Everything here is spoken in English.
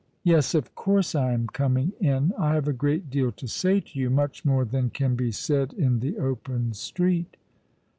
" Yes, of course I am coming in. I have a great deal to say to you— much more than can be said in the open street."